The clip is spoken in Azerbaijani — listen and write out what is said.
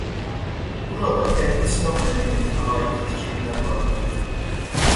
Burada qədim islam mədəniyyətinə aid tikililər vardır.